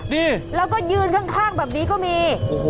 นี่แล้วก็ยืนข้างแบบนี้ก็มี